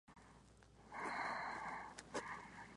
Ese suele ser el día más concurrido a la fiesta.